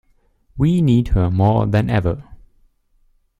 We need her more than ever